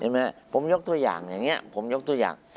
ผมยกตัวอย่างอย่างนี้ผมยกตัวอย่าง